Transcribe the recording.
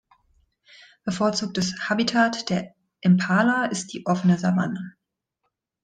Bevorzugtes Habitat der Impala ist die offene Savanne.